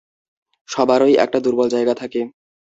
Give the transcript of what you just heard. সবারই একটা দুর্বল জায়গা থাকে।